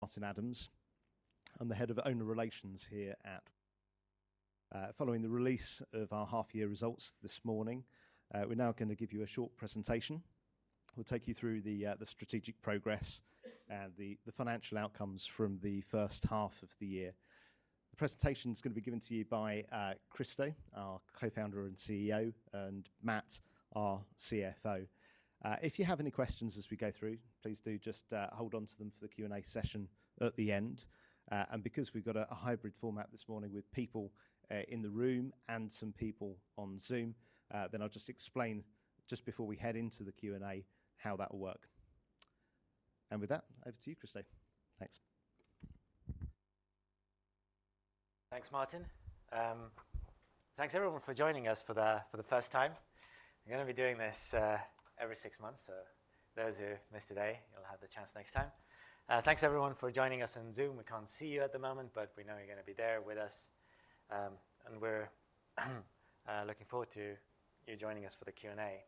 Martin Adams. I'm the Head of Owner Relations here at, following the release of our half-year results this morning, we're now gonna give you a short presentation. We'll take you through the strategic progress and the financial outcomes from the first half of the year. The presentation's going to be given to you by Kristo, our Co-Founder and CEO, and Matt, our CFO. If you have any questions as we go through, please do just hold on to them for the Q&A session at the end. Because we've got a hybrid format this morning with people in the room and some people on Zoom, then I'll just explain just before we head into the Q&A how that'll work. With that, over to you, Kristo. Thanks. Thanks, Martin. Thanks everyone for joining us for the first time. We're gonna be doing this every six months, so those who miss today, you'll have the chance next time. Thanks everyone for joining us on Zoom. We can't see you at the moment, but we know you're going to be there with us, and we're looking forward to you joining us for the Q&A.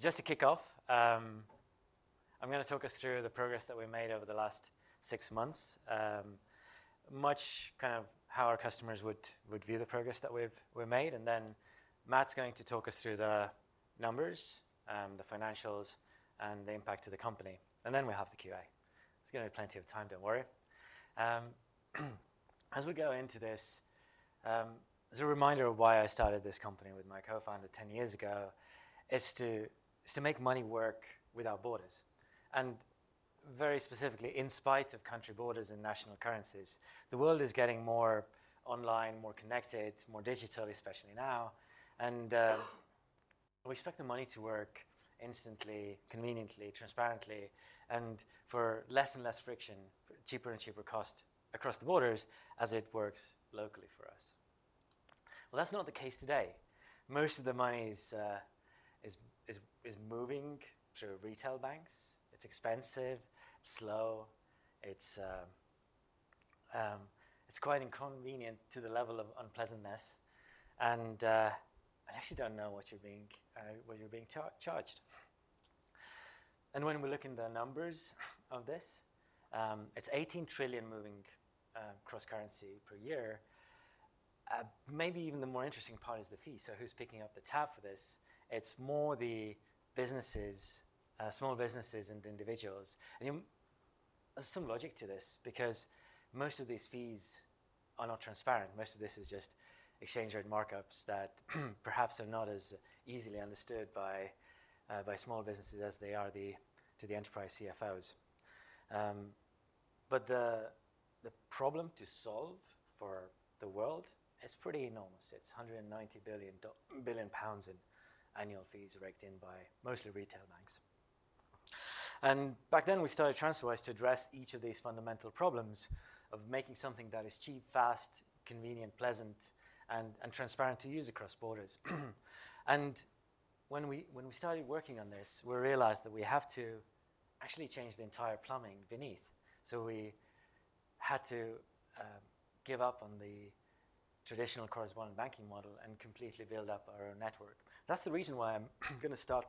Just to kick off, I'm gonna talk us through the progress that we made over the last six months, much kind of how our customers would view the progress that we've made, and then Matt's going to talk us through the numbers, the financials, and the impact to the company. Then we have the Q&A. There's gonna be plenty of time, don't worry. As we go into this, as a reminder of why I started this company with my co-founder 10 years ago is to make money work without borders. Very specifically, in spite of country borders and national currencies, the world is getting more online, more connected, more digital, especially now, and we expect the money to work instantly, conveniently, transparently, and for less and less friction, for cheaper and cheaper cost across the borders as it works locally for us. Well, that's not the case today. Most of the money is moving through retail banks. It's expensive, slow. It's quite inconvenient to the level of unpleasantness, and actually you don't know what you're being charged. When we look in the numbers of this, it's 18 trillion moving cross-currency per year. Maybe even the more interesting part is the fee. Who's picking up the tab for this? It's more the businesses, small businesses and individuals. There's some logic to this because most of these fees are not transparent. Most of this is just exchange rate markups that perhaps are not as easily understood by small businesses as they are to the enterprise CFOs. The problem to solve for the world is pretty enormous. It's 190 billion pounds in annual fees raked in by mostly retail banks. Back then, we started TransferWise to address each of these fundamental problems of making something that is cheap, fast, convenient, pleasant, and transparent to use across borders. When we started working on this, we realized that we have to actually change the entire plumbing beneath. We had to give up on the traditional correspondent banking model and completely build up our own network. That's the reason why I'm going to start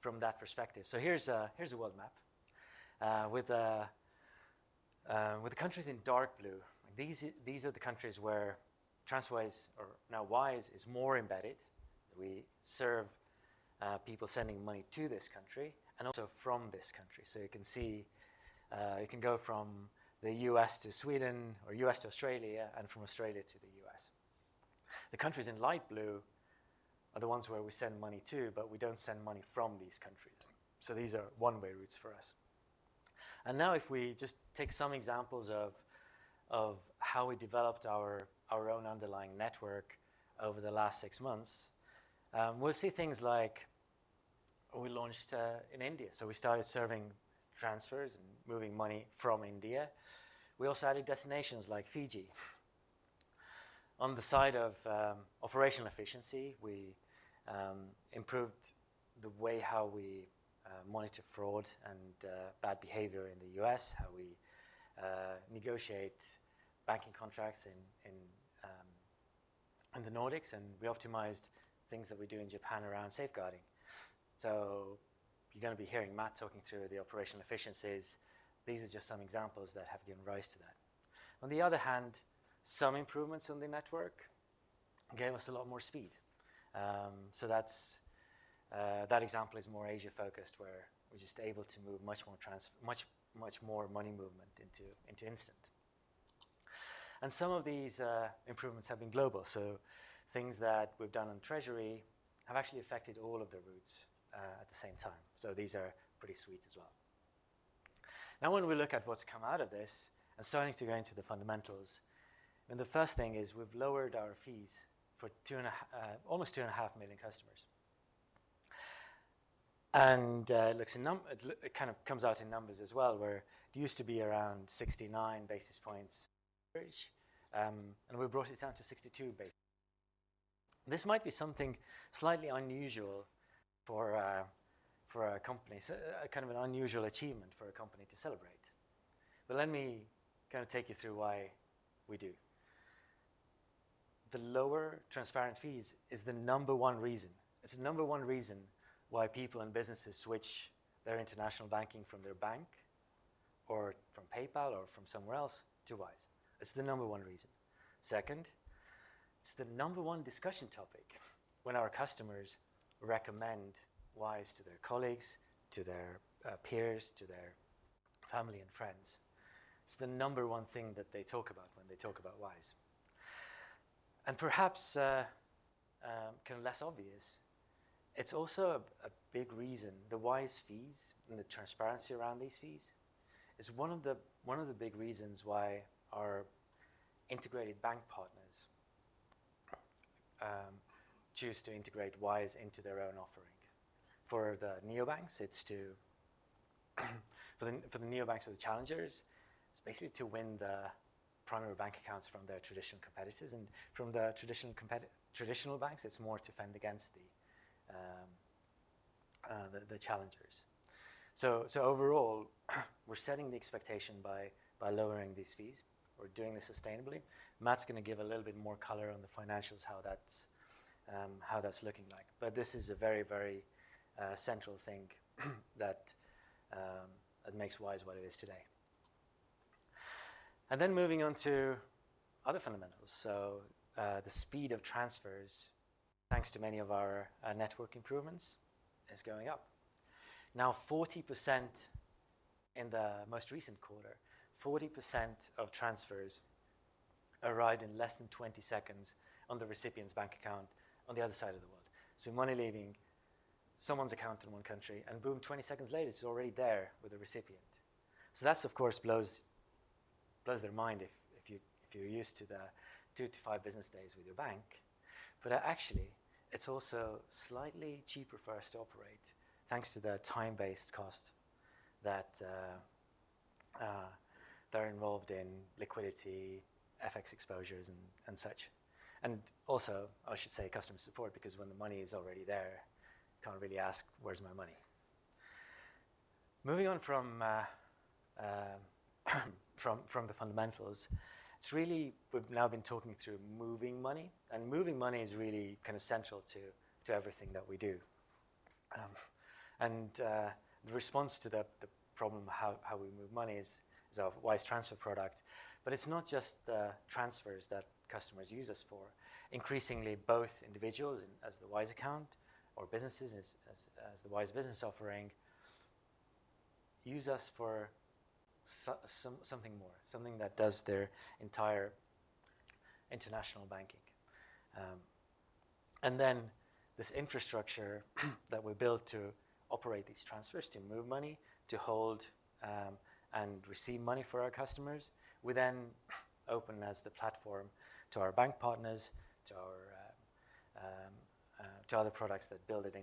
from that perspective. Here's a world map. With the countries in dark blue, these are the countries where TransferWise, or now Wise, is more embedded. We serve people sending money to this country and also from this country. You can see it can go from the U.S. to Sweden or U.S. to Australia and from Australia to the U.S. The countries in light blue are the ones where we send money to, but we don't send money from these countries. These are one-way routes for us. Now if we just take some examples of how we developed our own underlying network over the last six months, we'll see things like we launched in India. We started serving transfers and moving money from India. We also added destinations like Fiji. On the side of operational efficiency, we improved the way how we monitor fraud and bad behavior in the U.S., how we negotiate banking contracts in the Nordics, and we optimized things that we do in Japan around safeguarding. You're going to be hearing Matt talking through the operational efficiencies. These are just some examples that have given rise to that. On the other hand, some improvements on the network gave us a lot more speed. That's that example is more Asia-focused, where we're just able to move much, much more money movement into instant. Some of these improvements have been global. Things that we've done on treasury have actually affected all of the routes at the same time. These are pretty sweet as well. Now when we look at what's come out of this and starting to go into the fundamentals, the first thing is we've lowered our fees for almost 2.5 million customers. It kind of comes out in numbers as well, where it used to be around 69 basis points average, and we brought it down to 62 basis points. This might be something slightly unusual for a company, so kind of an unusual achievement for a company to celebrate. Let me kind of take you through why we do. The lower transparent fees is the number one reason. It's the number one reason why people and businesses switch their international banking from their bank or from PayPal or from somewhere else to Wise. It's the number one reason. Second, it's the number one discussion topic when our customers recommend Wise to their colleagues, to their peers, to their family and friends. It's the number one thing that they talk about when they talk about Wise. Perhaps less obvious, it's also a big reason. The Wise fees and the transparency around these fees is one of the big reasons why our integrated bank partners choose to integrate Wise into their own offering. For the neobanks or the challengers, it's basically to win the primary bank accounts from their traditional competitors. From the traditional banks, it's more to fend against the challengers. Overall, we're setting the expectation by lowering these fees. We're doing this sustainably. Matt's going to give a little bit more color on the financials, how that's looking like. But this is a very central thing that makes Wise what it is today. Then moving on to other fundamentals. The speed of transfers, thanks to many of our network improvements, is going up. Now, 40% in the most recent quarter, 40% of transfers arrive in less than 20 seconds on the recipient's bank account on the other side of the world. Money leaving someone's account in one country, and boom, 20 seconds later, it's already there with the recipient. That's, of course, blows their mind if you're used to the two-five business days with your bank. Actually, it's also slightly cheaper for us to operate, thanks to the time-based cost that are involved in liquidity, FX exposures, and such. Also, I should say customer support, because when the money is already there, can't really ask, "Where's my money?" Moving on from the fundamentals, it's really we've now been talking through moving money, and moving money is really kind of central to everything that we do. The response to the problem, how we move money, is our Wise transfer product. But it's not just transfers that customers use us for. Increasingly, both individuals as the Wise account or businesses as the Wise Business offering use us for something more, something that does their entire international banking. This infrastructure that we built to operate these transfers, to move money, to hold, and receive money for our customers, we then open as the platform to our bank partners, to other products that build it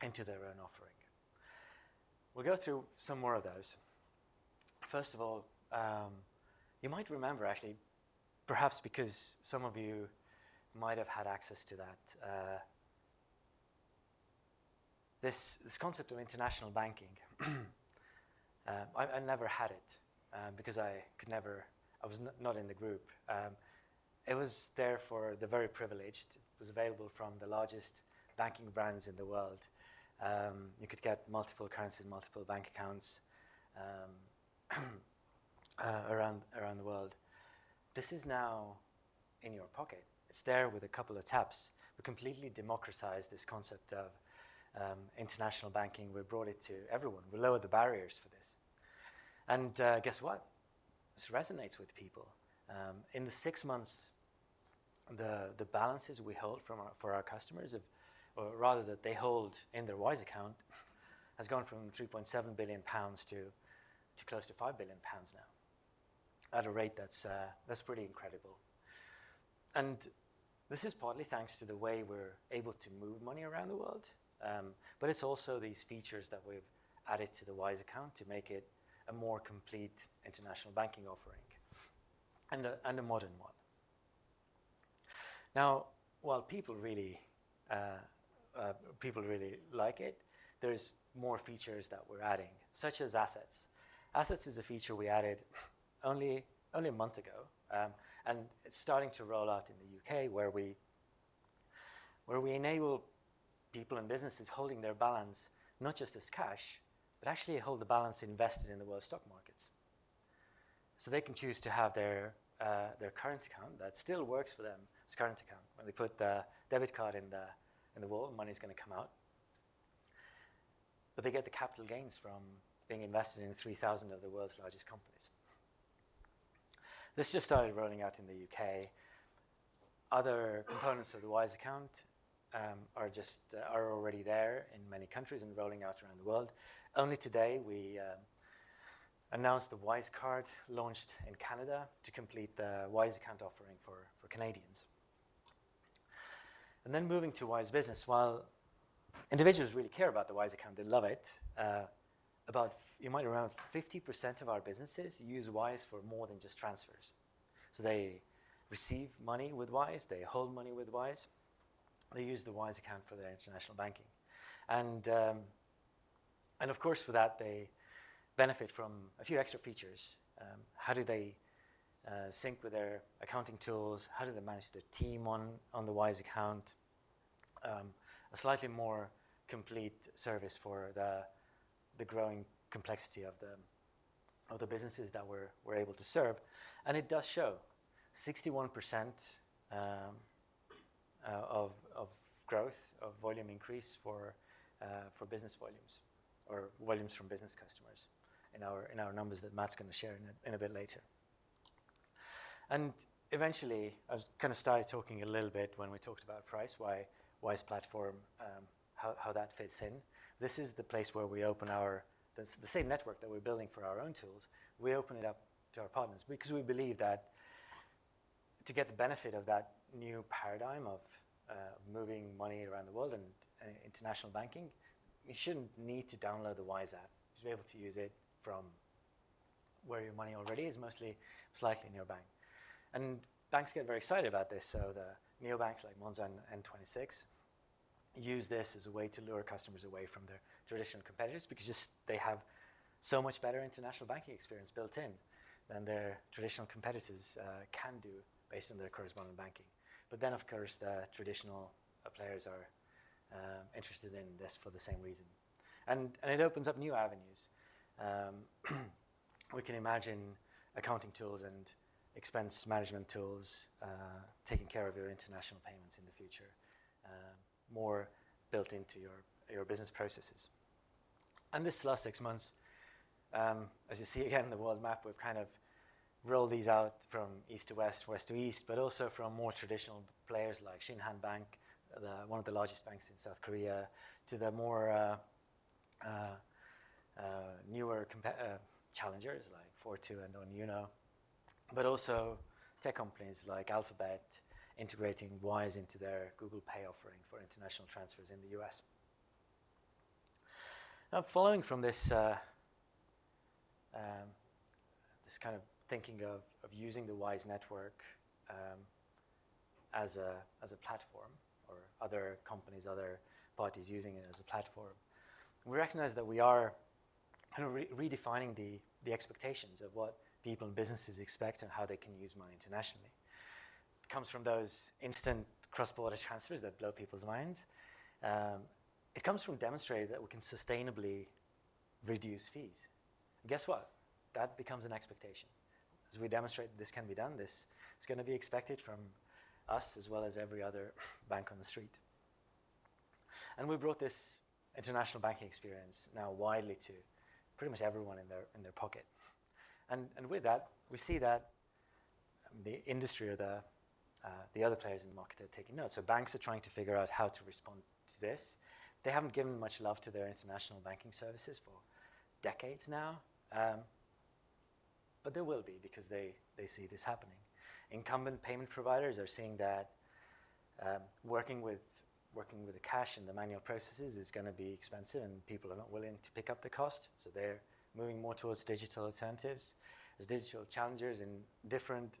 into their own offering. We'll go through some more of those. First of all, you might remember actually, perhaps because some of you might have had access to that, this concept of international banking, I never had it, because I was not in the group. It was there for the very privileged. It was available from the largest banking brands in the world. You could get multiple currencies, multiple bank accounts, around the world. This is now in your pocket. It's there with a couple of taps. We completely democratized this concept of international banking. We brought it to everyone. We lowered the barriers for this. Guess what? This resonates with people. In the six months, the balances we hold for our customers have, or rather that they hold in their Wise account, has gone from 3.7 billion pounds to close to 5 billion pounds now at a rate that's pretty incredible. This is partly thanks to the way we're able to move money around the world, but it's also these features that we've added to the Wise account to make it a more complete international banking offering, and a modern one. Now, while people really like it, there's more features that we're adding, such as Assets. Assets is a feature we added only a month ago, and it's starting to roll out in the U.K. where we enable people and businesses holding their balance not just as cash, but actually hold the balance invested in the world's stock markets. They can choose to have their current account that still works for them as a current account. When they put the debit card in the ATM, money's going to come out. But they get the capital gains from being invested in 3,000 of the world's largest companies. This just started rolling out in the U.K. Other components of the Wise account are already there in many countries and rolling out around the world. Only today, we announced the Wise card launched in Canada to complete the Wise account offering for Canadians. Moving to Wise Business. While individuals really care about the Wise account, they love it, about 50% of our businesses use Wise for more than just transfers. They receive money with Wise, they hold money with Wise, they use the Wise account for their international banking. Of course, for that they benefit from a few extra features. How do they sync with their accounting tools? How do they manage their team on the Wise account? A slightly more complete service for the growing complexity of the businesses that we're able to serve. It does show 61% of growth of volume increase for business volumes or volumes from business customers in our numbers that Matt's going to share in a bit later. Eventually, I kind of started talking a little bit when we talked about price, why Wise Platform, how that fits in. This is the place where we open up the same network that we're building for our own tools, we open it up to our partners because we believe that to get the benefit of that new paradigm of moving money around the world and international banking, you shouldn't need to download the Wise app to be able to use it from where your money already is, mostly sitting in your bank. Banks get very excited about this, so the neobanks like Monzo and N26 use this as a way to lure customers away from their traditional competitors because they just have so much better international banking experience built in than their traditional competitors can do based on their correspondent banking. Of course, the traditional players are interested in this for the same reason. It opens up new avenues. We can imagine accounting tools and expense management tools taking care of your international payments in the future, more built into your business processes. This last six months, as you see again the world map, we've kind of rolled these out from east to west to east, but also from more traditional players like Shinhan Bank, one of the largest banks in South Korea, to the more newer challengers like Fortú and Onuno, but also tech companies like Alphabet integrating Wise into their Google Pay offering for international transfers in the U.S. Now following from this kind of thinking of using the Wise network as a platform or other companies, other parties using it as a platform, we recognize that we are kind of redefining the expectations of what people and businesses expect and how they can use money internationally. It comes from those instant cross-border transfers that blow people's minds. It comes from demonstrating that we can sustainably reduce fees. Guess what? That becomes an expectation. As we demonstrate this can be done, this is going to be expected from us as well as every other bank on the street. With that, we see that the industry or the other players in the market are taking note. Banks are trying to figure out how to respond to this. They haven't given much love to their international banking services for decades now, but they will be because they see this happening. Incumbent payment providers are seeing that, working with the cash and the manual processes is going to be expensive and people are not willing to pick up the cost, so they're moving more towards digital alternatives. There's digital challengers in different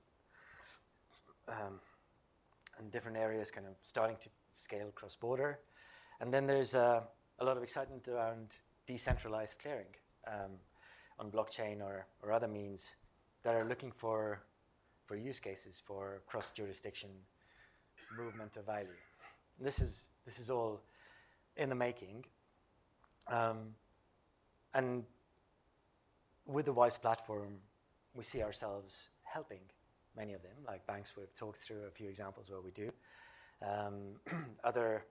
areas kind of starting to scale cross-border. Then there's a lot of excitement around decentralized clearing on blockchain or other means that are looking for use cases for cross-jurisdiction movement of value. This is all in the making. With the Wise Platform, we see ourselves helping many of them. Like banks, we've talked through a few examples where we do. Other,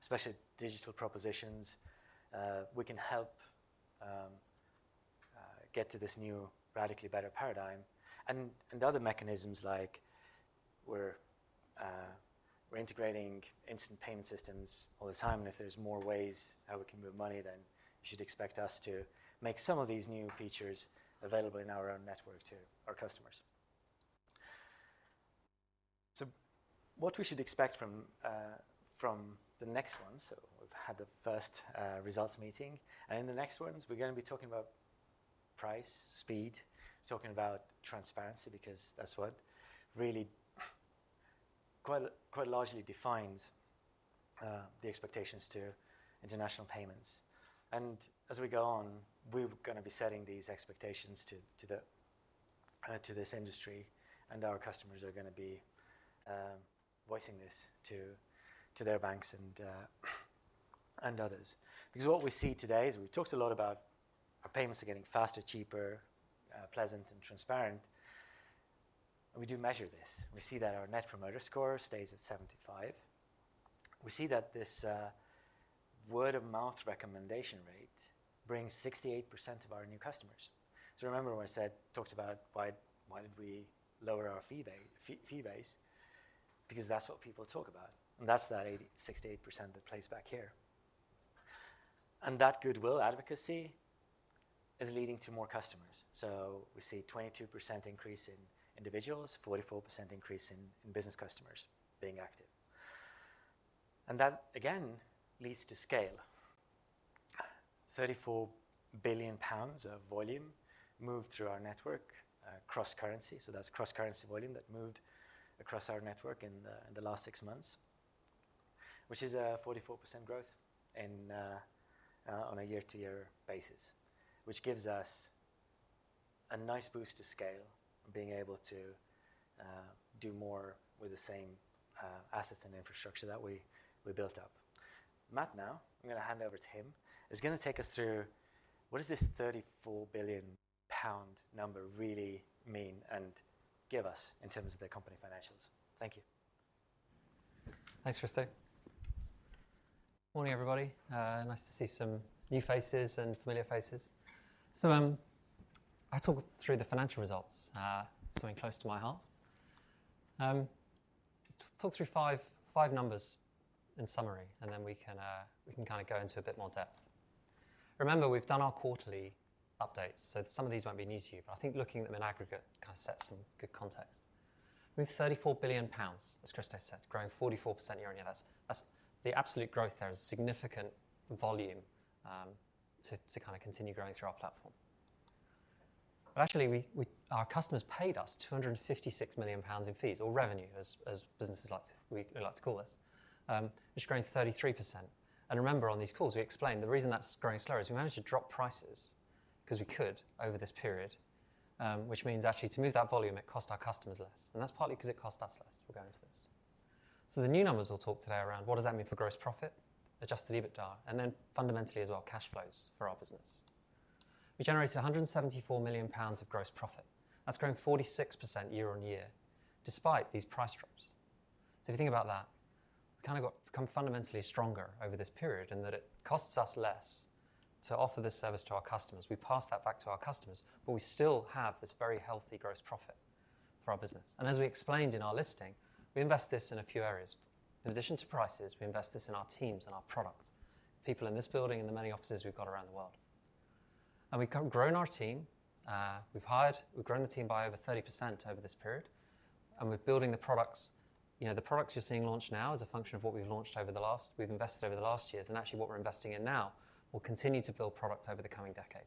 especially digital propositions, we can help get to this new radically better paradigm. Other mechanisms like we're integrating instant payment systems all the time and if there's more ways how we can move money, then you should expect us to make some of these new features available in our own network to our customers. What we should expect from the next one, we've had the first results meeting, and in the next ones, we're going to be talking about price, speed, talking about transparency because that's what really quite largely defines the expectations to international payments. As we go on, we're going to be setting these expectations to this industry and our customers are gonna be voicing this to their banks and others. Because what we see today is we've talked a lot about our payments are getting faster, cheaper, pleasant and transparent, and we do measure this. We see that our net promoter score stays at 75. We see that this word-of-mouth recommendation rate brings 68% of our new customers. Remember when I said, talked about why we lower our fee base? Because that's what people talk about, and that's that 68% that plays back here. That goodwill advocacy is leading to more customers. We see 22% increase in individuals, 44% increase in business customers being active. That again leads to scale. 34 billion pounds of volume moved through our network, cross-currency. That's cross-currency volume that moved across our network in the last six months, which is a 44% growth on a year-to-year basis, which gives us a nice boost to scale, being able to do more with the same assets and infrastructure that we built up. Matt, now I'm gonna hand over to him. He is going to take us through what does this 34 billion number really mean and give us in terms of the company financials. Thank you. Thanks, Kristo. Morning, everybody. Nice to see some new faces and familiar faces. I'll talk through the financial results, something close to my heart, talk through five numbers in summary, and then we can kind of go into a bit more depth. Remember, we've done our quarterly updates, so some of these won't be news to you. I think looking at them in aggregate kind of sets some good context. We have 34 billion, as Kristo said, growing 44% year-on-year. That's the absolute growth. There is significant volume to kind of continue growing through our platform. Actually, our customers paid us 256 million pounds in fees or revenue as businesses like to, we like to call this. Which grew 33%. Remember on these calls we explained the reason that's growing slower is we managed to drop prices, 'cause we could over this period. Which means actually to move that volume, it cost our customers less. That's partly 'cause it cost us less. We'll go into this. The new numbers we'll talk today are around what does that mean for gross profit, Adjusted EBITDA, and then fundamentally as well, cash flows for our business. We generated 174 million pounds of gross profit. That's grown 46% year-on-year, despite these price drops. If you think about that, we kind of become fundamentally stronger over this period in that it costs us less to offer this service to our customers. We pass that back to our customers, but we still have this very healthy gross profit for our business. As we explained in our listing, we invest this in a few areas. In addition to hires, we invest this in our teams and our product, people in this building and the many offices we've got around the world. We've grown our team. We've grown the team by over 30% over this period, and we're building the products. You know, the products you're seeing launch now is a function of what we've invested over the last years and actually what we're investing in now will continue to build products over the coming decade.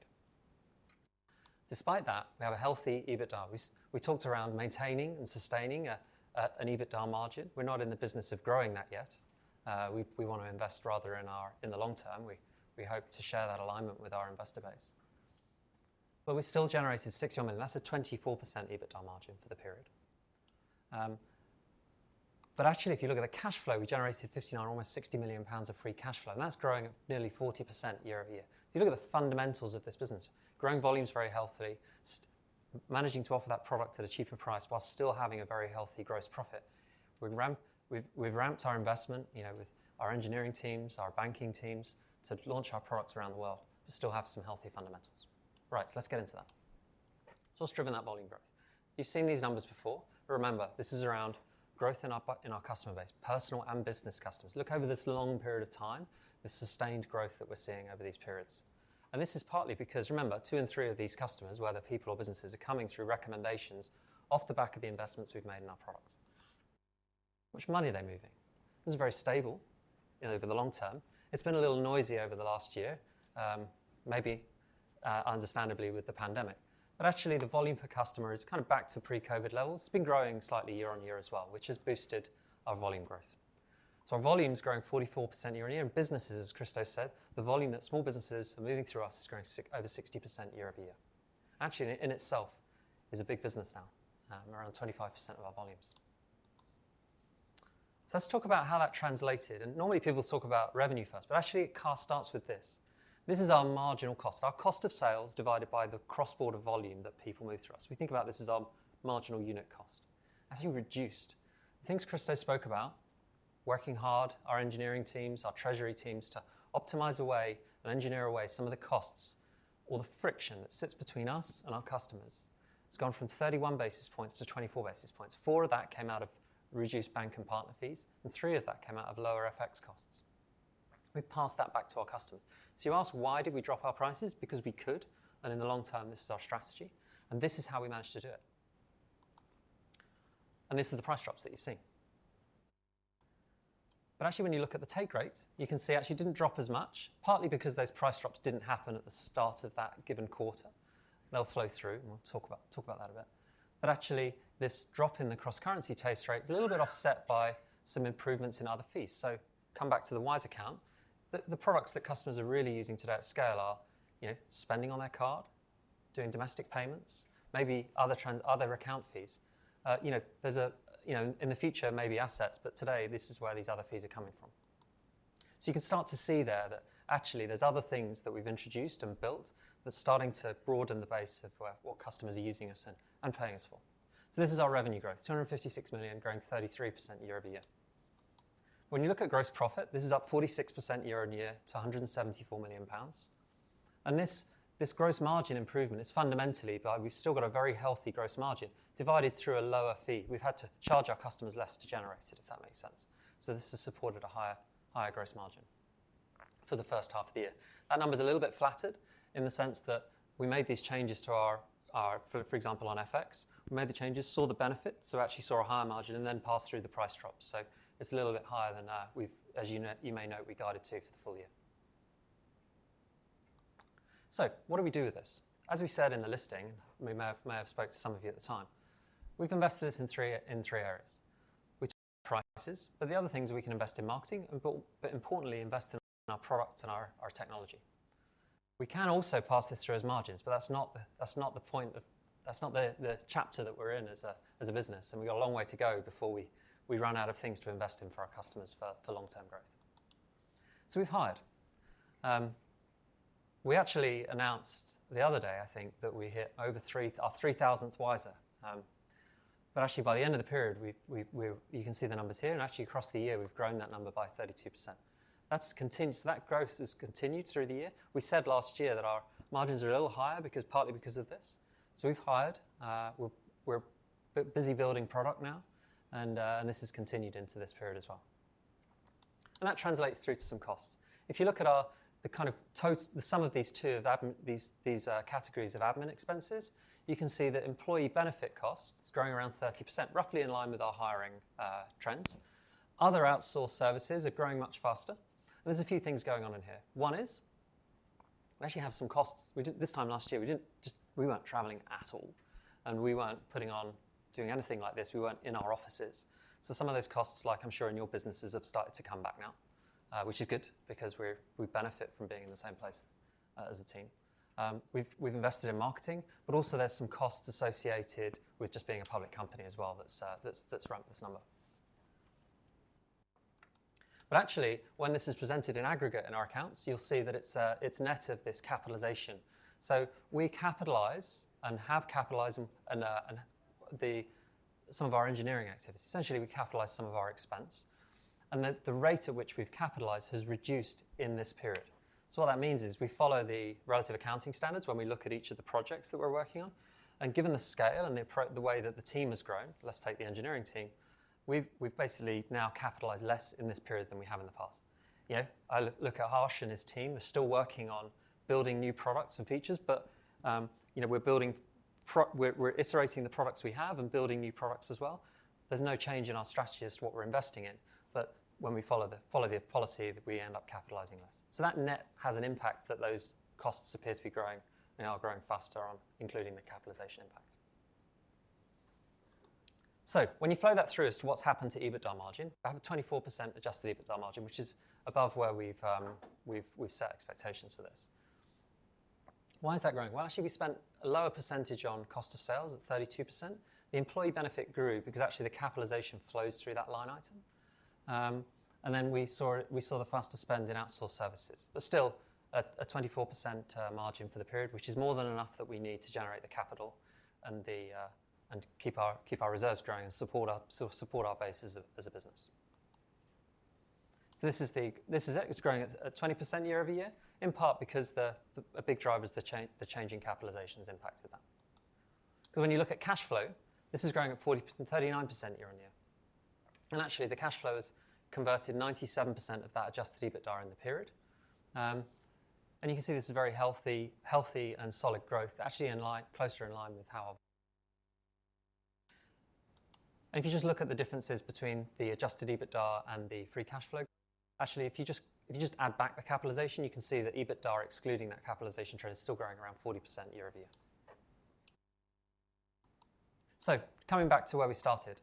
Despite that, we have a healthy EBITDA. We talked around maintaining and sustaining an EBITDA margin. We're not in the business of growing that yet. We want to invest rather in the long term. We hope to share that alignment with our investor base. We still generated 60 million. That's a 24% EBITDA margin for the period. But actually if you look at the cash flow, we generated 59, almost 60 million pounds of free cash flow, and that's growing at nearly 40% year-over-year. If you look at the fundamentals of this business, growing volume's very healthy, managing to offer that product at a cheaper price while still having a very healthy gross profit. We've ramped our investment, you know, with our engineering teams, our banking teams, to launch our products around the world, but still have some healthy fundamentals. Right. Let's get into that. What's driven that volume growth? You've seen these numbers before. Remember, this is around growth in our customer base, personal and business customers. Look over this long period of time, the sustained growth that we're seeing over these periods. This is partly because remember, 2/3 of these customers, whether people or businesses, are coming through recommendations off the back of the investments we've made in our product. How much money are they moving? This is very stable, you know, over the long term. It's been a little noisy over the last year, maybe understandably with the pandemic, but actually the volume per customer is kind of back to pre-COVID levels. It's been growing slightly year-over-year as well, which has boosted our volume growth. Our volume's growing 44% year-over-year and businesses, as Kristo said, the volume that small businesses are moving through us is growing over 60% year-over-year. Actually in itself is a big business now, around 25% of our volumes. Let's talk about how that translated, and normally people talk about revenue first, but actually cost starts with this. This is our marginal cost, our cost of sales divided by the cross-border volume that people move through us. We think about this as our marginal unit cost, actually reduced. The things Kristo spoke about, working hard, our engineering teams, our treasury teams to optimize away and engineer away some of the costs or the friction that sits between us and our customers. It's gone from 31 basis points to 24 basis points. Four of that came out of reduced bank and partner fees, and three of that came out of lower FX costs. We've passed that back to our customers. You ask why did we drop our prices? Because we could, and in the long term this is our strategy, and this is how we managed to do it. This is the price drops that you've seen. Actually when you look at the take rate, you can see actually it didn't drop as much, partly because those price drops didn't happen at the start of that given quarter. They'll flow through, and we'll talk about that a bit. Actually this drop in the cross-currency take rate is a little bit offset by some improvements in other fees. Come back to the Wise account. The products that customers are really using today at scale are, you know, spending on their card, doing domestic payments, maybe other account fees. You know, there's a you know, in the future maybe assets, but today this is where these other fees are coming from. You can start to see there that actually there's other things that we've introduced and built that's starting to broaden the base of where what customers are using us and paying us for. This is our revenue growth, 256 million growing 33% year-over-year. When you look at gross profit, this is up 46% year-over-year to 174 million pounds. This gross margin improvement is fundamentally, but we've still got a very healthy gross margin delivered through a lower fee. We've had to charge our customers less to generate it, if that makes sense. This has supported a higher gross margin for the first half of the year. That number's a little bit flattered in the sense that we made these changes to our—for example, on FX, we made the changes, saw the benefit, so actually saw a higher margin and then passed through the price drops. It's a little bit higher than, as you may know, we guided to for the full year. What do we do with this? As we said in the listing, we may have spoke to some of you at the time, we've invested this in three areas. We took prices, but the other things we can invest in marketing, but importantly, invest in our product and our technology. We can also pass this through as margins, but that's not the point of. That's not the chapter that we're in as a business, and we got a long way to go before we run out of things to invest in for our customers for long-term growth. We've hired. We actually announced the other day, I think, that we hit over 3,000 Wisers. But actually by the end of the period, you can see the numbers here, and actually across the year, we've grown that number by 32%. That has continued, so that growth has continued through the year. We said last year that our margins are a little higher partly because of this. We've hired, we're busy building product now, and this has continued into this period as well. That translates through to some costs. If you look at the sum of these two of admin these categories of admin expenses, you can see that employee benefit costs is growing around 30%, roughly in line with our hiring trends. Other outsourced services are growing much faster, and there's a few things going on in here. One is, we actually have some costs. This time last year, we weren't traveling at all, and we weren't putting on or doing anything like this. We weren't in our offices. So some of those costs, like I'm sure in your businesses, have started to come back now, which is good because we benefit from being in the same place as a team. We've invested in marketing, but also there's some costs associated with just being a public company as well that's run up this number. Actually, when this is presented in aggregate in our accounts, you'll see that it's net of this capitalization. We capitalize and have capitalized some of our engineering activities. Essentially, we capitalize some of our expenses, and the rate at which we've capitalized has reduced in this period. What that means is we follow the relevant accounting standards when we look at each of the projects that we're working on. Given the scale and the way that the team has grown, let's take the engineering team, we've basically now capitalized less in this period than we have in the past. You know, I look at Harsh and his team. They're still working on building new products and features, but, you know, we're iterating the products we have and building new products as well. There's no change in our strategy as to what we're investing in. When we follow the policy, we end up capitalizing less. That net has an impact that those costs appear to be growing. They are growing faster on including the capitalization impact. When you flow that through as to what's happened to EBITDA margin, we have a 24% Adjusted EBITDA margin, which is above where we've set expectations for this. Why is that growing? Well, actually, we spent a lower percentage on cost of sales at 32%. The employee benefit grew because actually the capitalization flows through that line item. We saw the faster spend in outsourced services. Still a 24% margin for the period, which is more than enough that we need to generate the capital and keep our reserves growing and support our base as a business. This is it. It's growing at a 20% year-over-year, in part because a big driver is the changing capitalization's impact of that. 'Cause when you look at cash flow, this is growing at 39% year-over-year. Actually, the cash flow has converted 97% of that adjusted EBITDA in the period. You can see this is very healthy and solid growth, actually closer in line with how... If you just look at the differences between the adjusted EBITDA and the free cash flow, actually if you just add back the capitalization, you can see that EBITDA excluding that capitalization trend is still growing around 40% year-over-year. Coming back to where we started,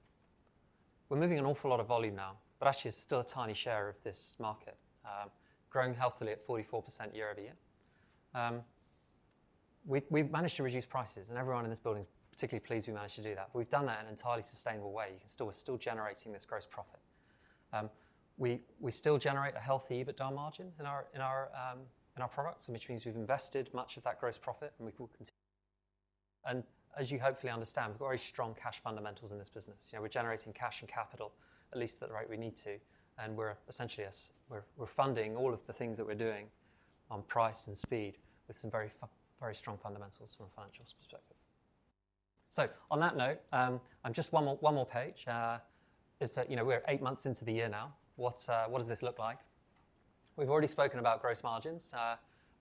we're moving an awful lot of volume now, but actually it's still a tiny share of this market, growing healthily at 44% year-over-year. We've managed to reduce prices, and everyone in this building is particularly pleased we managed to do that. We've done that in an entirely sustainable way. Still, we're still generating this gross profit. We still generate a healthy EBITDA margin in our products, and which means we've invested much of that gross profit and we will continue. As you hopefully understand, we've got very strong cash fundamentals in this business. You know, we're generating cash and capital at least at the rate we need to, and we're essentially funding all of the things that we're doing on price and speed with some very strong fundamentals from a financial perspective. On that note, just one more page is that, you know, we're eight months into the year now. What does this look like? We've already spoken about gross margins.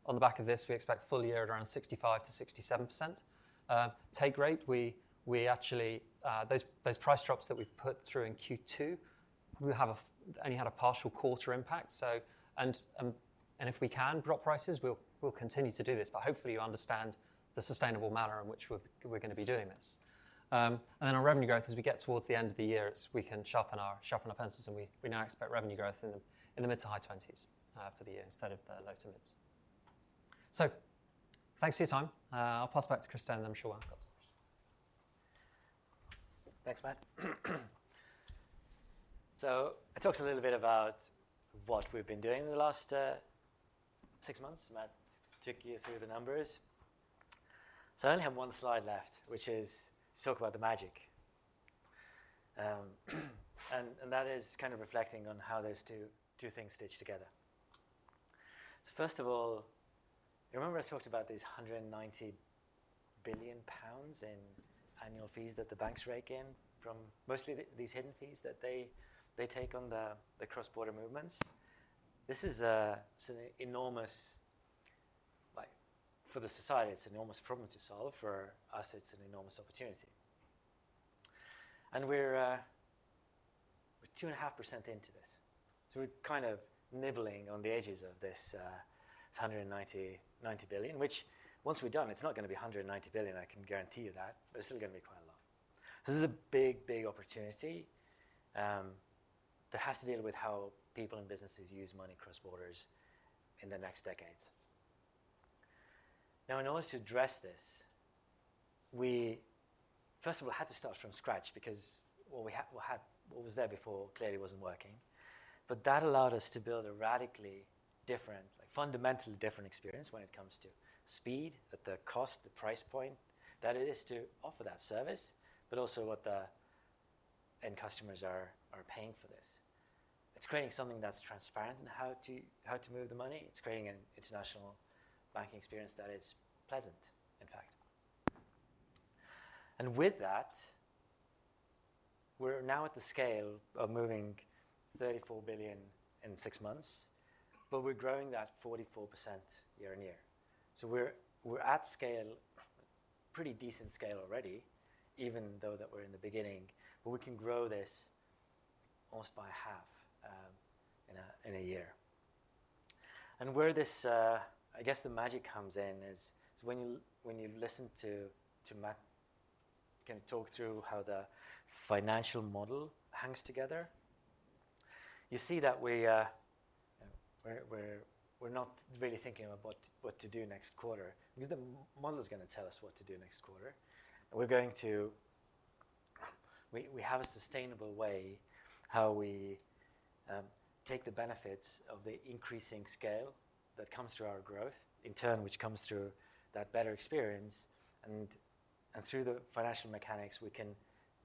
On the back of this, we expect full year at around 65%-67%. Take rate, we actually those price drops that we put through in Q2, we only had a partial quarter impact. If we can drop prices, we'll continue to do this. But hopefully you understand the sustainable manner in which we're going to be doing this. And then our revenue growth, as we get towards the end of the year, we can sharpen our pencils and we now expect revenue growth in the mid- to high-20s% for the year instead of the low- to mid-20s%. Thanks for your time. I'll pass it back to Kristo, and I'm sure we've got some questions. Thanks, Matt. I talked a little bit about what we've been doing in the last six months. Matt took you through the numbers. I only have one slide left, which is to talk about the magic. That is kind of reflecting on how those two things stitch together. First of all, you remember I talked about these 190 billion pounds in annual fees that the banks rake in from mostly these hidden fees that they take on the cross-border movements? This is. It's an enormous, like, for the society, it's an enormous problem to solve. For us, it's an enormous opportunity. We're 2.5% into this. We're kind of nibbling on the edges of this 190 billion, which once we're done, it's not going to be $190 billion, I can guarantee you that, but it's still going to be quite a lot. This is a big, big opportunity that has to deal with how people and businesses use money across borders in the next decades. Now, in order to address this, we first of all had to start from scratch because what was there before clearly wasn't working. But that allowed us to build a radically different, like fundamentally different experience when it comes to speed, at the cost, the price point that it is to offer that service, but also what the end customers are paying for this. It's creating something that's transparent in how to move the money. It's creating an international banking experience that is pleasant, in fact. With that, we're now at the scale of moving 34 billion in six months, but we're growing that 44% year-on-year. We're at scale, pretty decent scale already, even though we're in the beginning, but we can grow this almost by half in a year. Where this, I guess the magic comes in is when you listen to Matt kind of talk through how the financial model hangs together, you see that we're not really thinking about what to do next quarter because the model is gonna tell us what to do next quarter. We have a sustainable way how we take the benefits of the increasing scale that comes through our growth, in turn which comes through that better experience. Through the financial mechanics, we can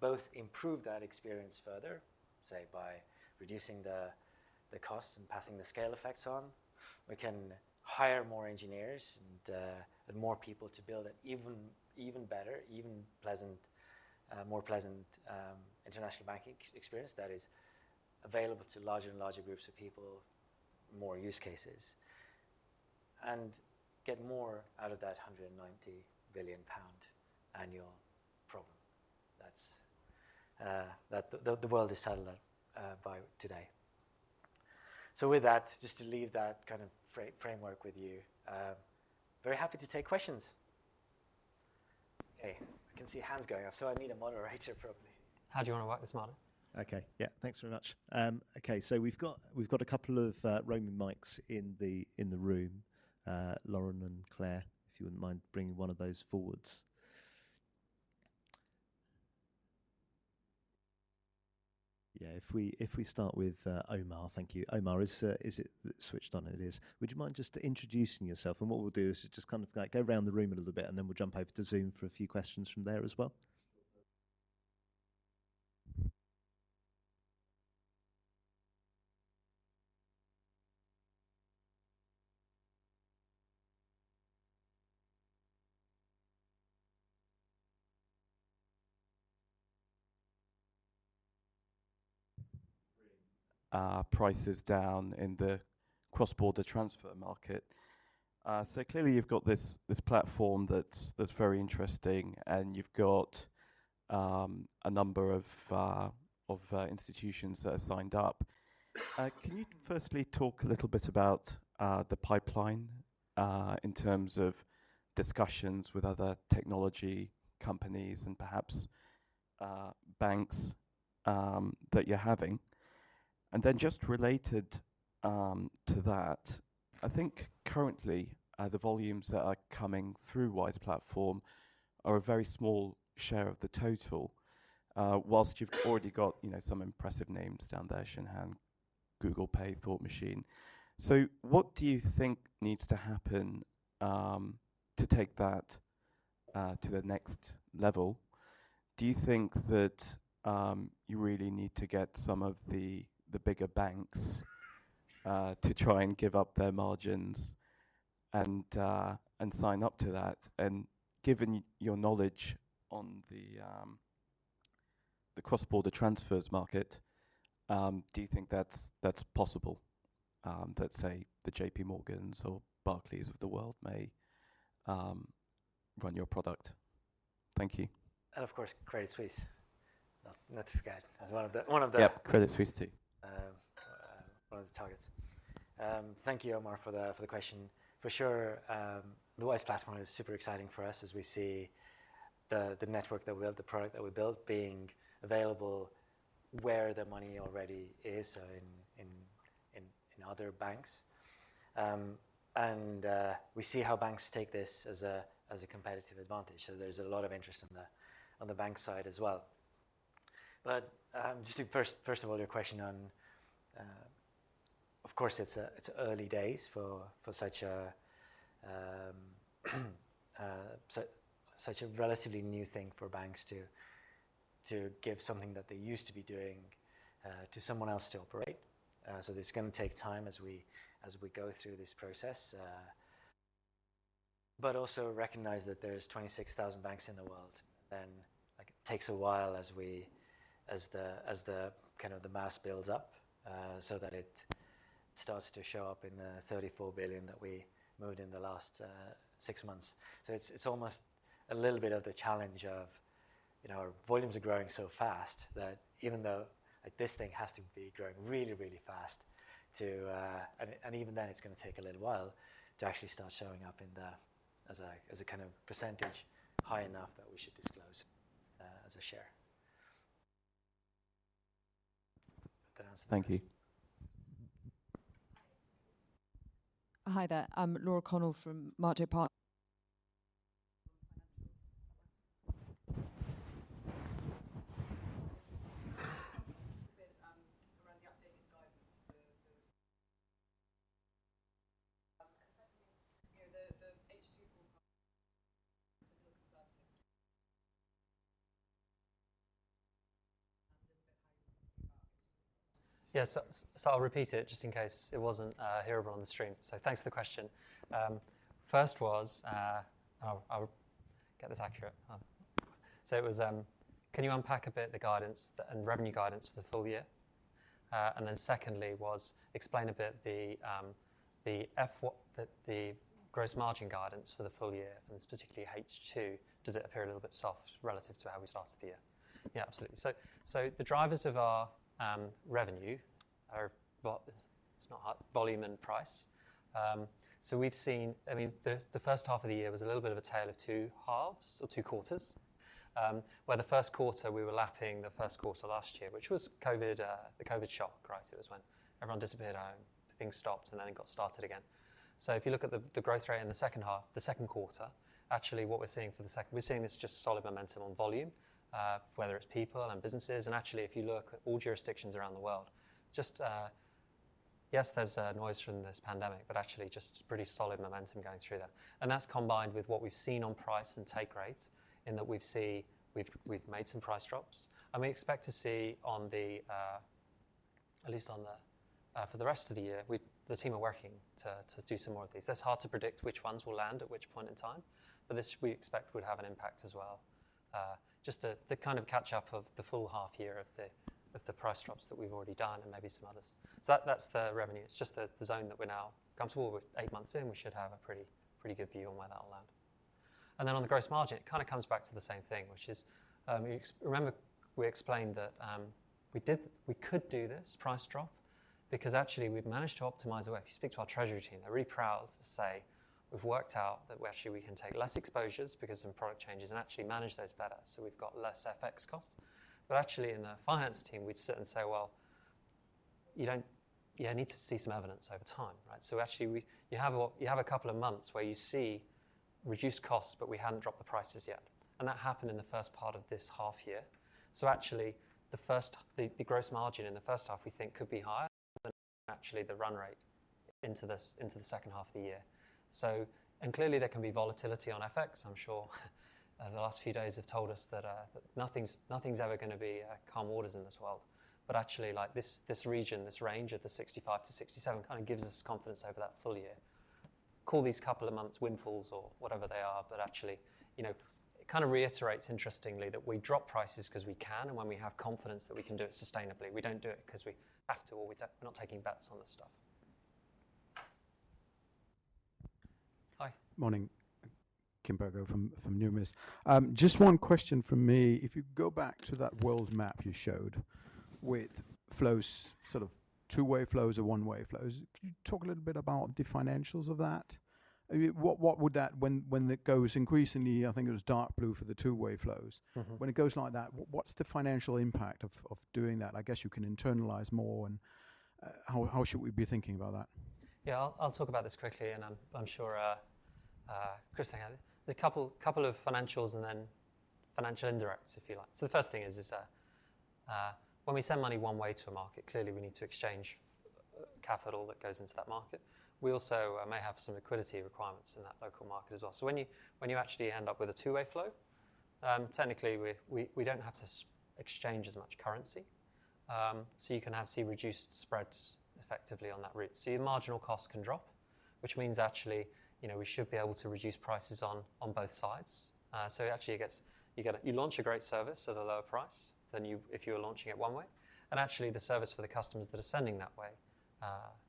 both improve that experience further, say by reducing the costs and passing the scale effects on. We can hire more engineers and more people to build an even better, more pleasant international banking experience that is available to larger and larger groups of people, more use cases, and get more out of that 190 billion pound annual problem that the world is settling by today. With that, just to leave that kind of framework with you, very happy to take questions. Okay. I can see hands going up, so I need a moderator probably. How do you wanna work this, Martin? Okay. Yeah. Thanks very much. Okay. So we've got a couple of roaming mics in the room. Lauryn and Claire, if you wouldn't mind bringing one of those forwards. Yeah. If we start with Gautam. Thank you. Gautam is it switched on? It is. Would you mind just introducing yourself? What we'll do is just kind of like go around the room a little bit, and then we'll jump over to Zoom for a few questions from there as well. Sure. Bringing prices down in the cross-border transfer market. Clearly you've got this platform that's very interesting, and you've got a number of institutions that are signed up. Can you first talk a little bit about the pipeline in terms of discussions with other technology companies and perhaps banks that you're having? Then just related to that, I think currently the volumes that are coming through Wise Platform are a very small share of the total, while you've already got, you know, some impressive names down there, Shinhan, Google Pay, Thought Machine. What do you think needs to happen to take that to the next level? Do you think that you really need to get some of the bigger banks to try and give up their margins and sign up to that? Given your knowledge on the cross-border transfers market, do you think that's possible that say the JPMorgan Chase or Barclays of the world may run your product? Thank you. Of course, Credit Suisse. No, not to forget. That's one of the. Yeah, Credit Suisse too. One of the targets. Thank you, Gautam, for the question. For sure, the Wise Platform is super exciting for us as we see the network that we built, the product that we built being available where the money already is, so in other banks. We see how banks take this as a competitive advantage. There's a lot of interest on the bank side as well. Just to first of all your question, of course it's early days for such a relatively new thing for banks to give something that they used to be doing to someone else to operate. This is gonna take time as we go through this process. Also recognize that there's 26,000 banks in the world, and, like, it takes a while as the kind of the mass builds up, so that it. It starts to show up in the 34 billion that we moved in the last six months. It's almost a little bit of the challenge of, you know, our volumes are growing so fast that even though, like this thing has to be growing really, really fast to even then it's going to take a little while to actually start showing up in the as a kind of percentage high enough that we should disclose as a share. Did that answer the question? Thank you. Hi. Hi there. I'm Laura Connell from Marcho Partners Yeah. I'll repeat it just in case it wasn't hearable on the stream. Thanks for the question. First was, and I'll get this accurate. It was, can you unpack a bit the guidance, the revenue guidance for the full year? And then secondly was explain a bit the FX, what the gross margin guidance for the full year, and it's particularly H2, does it appear a little bit soft relative to how we started the year? Yeah, absolutely. The drivers of our revenue are volume and price. It's not hard. I mean, the first half of the year was a little bit of a tale of two halves or two quarters, where the first quarter we were lapping the first quarter last year, which was COVID, the COVID shock, right? It was when everyone disappeared, things stopped and then it got started again. If you look at the growth rate in the second half, the second quarter, actually what we're seeing for the second, we're seeing this just solid momentum on volume, whether it's people and businesses, and actually if you look at all jurisdictions around the world, yes, there's noise from this pandemic, but actually just pretty solid momentum going through that. That's combined with what we've seen on price and take rate in that we've seen we've made some price drops and we expect to see at least for the rest of the year, the team is working to do some more of these. That's hard to predict which ones will land at which point in time, but this we expect would have an impact as well. Just the kind of catch up of the full half year of the price drops that we've already done and maybe some others. That's the revenue. It's just the zone that we're now comfortable with eight months in, we should have a pretty good view on where that'll land. On the gross margin, it kind of comes back to the same thing, which is, you remember we explained that, we could do this price drop because actually we've managed to optimize the way. If you speak to our treasury team, they're really proud to say, we've worked out that we actually can take less exposures because some product changes and actually manage those better. So we've got less FX costs. But actually in the finance team, we'd sit and say, "Well, you don't, you need to see some evidence over time," right? So actually, you have a couple of months where you see reduced costs, but we hadn't dropped the prices yet, and that happened in the first part of this half year. Actually the gross margin in the first half we think could be higher than actually the run rate into this, into the second half of the year. Clearly there can be volatility on FX. I'm sure the last few days have told us that nothing's ever going to be calm waters in this world. Actually like this region this range of the 65%-67% kind of gives us confidence over that full year. Call these couple of months windfalls or whatever they are. Actually, you know, it kind of reiterates interestingly that we drop prices 'cause we can and when we have confidence that we can do it sustainably. We don't do it 'cause we have to or we're not taking bets on this stuff. Hi. Morning. Kim Berger from Numis. Just one question from me. If you go back to that world map you showed with flows, sort of two-way flows or one-way flows, could you talk a little bit about the financials of that? I mean, what would that mean. When it goes increasingly, I think it was dark blue for the two-way flows. Mm-hmm. When it goes like that, what's the financial impact of doing that? I guess you can internalize more and how should we be thinking about that? Yeah. I'll talk about this quickly and I'm sure Kristo can. There's a couple of financials and then financial indirects if you like. The first thing is that when we send money one way to a market, clearly we need to exchange capital that goes into that market. We also may have some liquidity requirements in that local market as well. When you actually end up with a two-way flow, technically we don't have to exchange as much currency. You can have seen reduced spreads effectively on that route. Your marginal costs can drop, which means actually, you know, we should be able to reduce prices on both sides. It actually gets, you get. You launch a great service at a lower price than you, if you were launching it one way. Actually the service for the customers that are sending that way,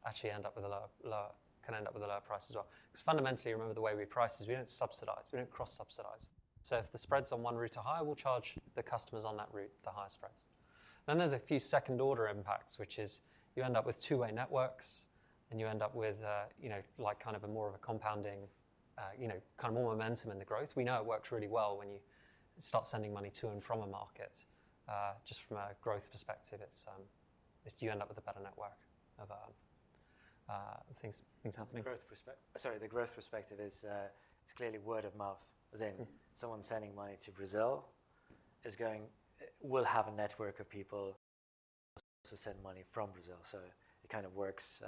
actually end up with a lower, can end up with a lower price as well. 'Cause fundamentally, remember the way we price is we don't subsidize, we don't cross-subsidize. If the spreads on one route are higher, we'll charge the customers on that route the higher spreads. There's a few second order impacts, which is you end up with two-way networks and you end up with, you know, like kind of a more of a compounding, you know, kind of more momentum in the growth. We know it works really well when you start sending money to and from a market. Just from a growth perspective, it's you end up with a better network of things happening. The growth perspective is clearly word of mouth, as in someone sending money to Brazil will have a network of people also send money from Brazil. It kind of works,